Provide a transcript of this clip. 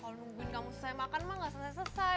kalau nungguin kamu selesai makan mah gak selesai selesai